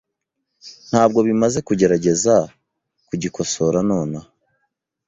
Ntabwo bimaze kugerageza kugikosora nonaha .